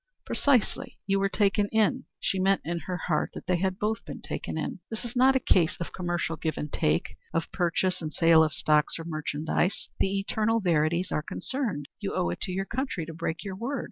"Precisely. You were taken in." She meant in her heart that they had both been taken in. "This is not a case of commercial give and take of purchase and sale of stocks or merchandise. The eternal verities are concerned. You owe it to your country to break your word.